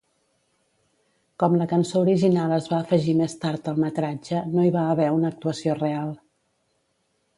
Com la cançó original es va afegir més tard al metratge, no hi va haver una actuació real.